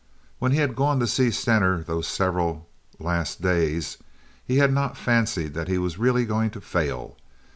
When he had gone to see Stener those several last days, he had not fancied that he was really going to fail.